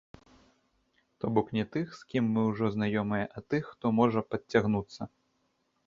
То бок не тых, з кім мы ўжо знаёмыя, а тых, хто можа падцягнуцца.